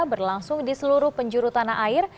berlangsung di seluruh penjuru tanah air